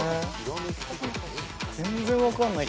・全然分かんない。